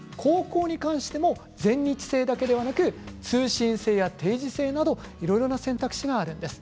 全日制だけでなく高校は通信制や定時制などいろいろな選択肢があるんです。